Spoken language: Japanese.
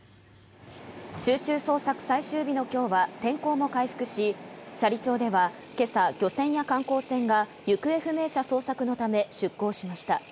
集中捜索最終日の今日は天候も回復し斜里町では今朝、漁船や観光船が行方不明者捜索のため出港しました。